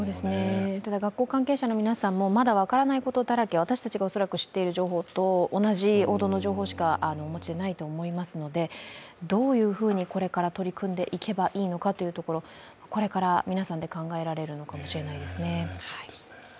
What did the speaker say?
ただ、学校関係者の皆さんもまだ分からないことだらけ、私たちが恐らく知っている情報と同じ報道の情報しかお持ちでないと思いますので、どういうふうにこれから取り組んでいけばいいのかというところ、これから皆さんで考えられるのかもしれないですね。